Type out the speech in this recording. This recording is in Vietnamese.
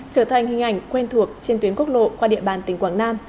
trở thành hình ảnh quen thuộc trên tuyến quốc lộ qua địa bàn tỉnh quảng nam